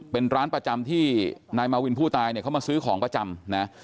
เป็นร้านประจำที่นายมาวินผู้ตายเนี่ยเขามาซื้อของประจำนะ